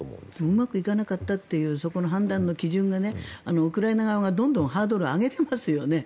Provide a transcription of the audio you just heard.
うまくいかなかったというそこの判断の基準がウクライナ側がどんどんハードルを上げてますよね。